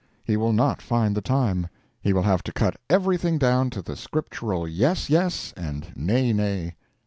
He will not find the time. He will have to cut everything down to the Scriptural yes, yes, and nay, nay.